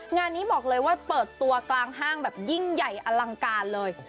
งานนี้บอกเลยว่าเปิดตัวกลางห้างแบบยิ่งใหญ่อลังการเลย